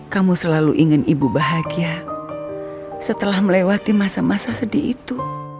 kamu selalu ingin ibu bahagia setelah melewati masa masa sedih itu